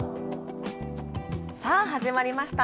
さあ始まりました。